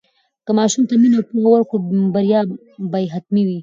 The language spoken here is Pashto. که ماشوم ته مینه او پوهه ورکړو، بریا به حتمي وي.